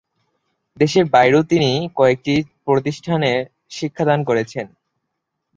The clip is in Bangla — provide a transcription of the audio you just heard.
দেশের বাইরেও তিনি কয়েকটি প্রতিষ্ঠানে শিক্ষাদান করেছেন।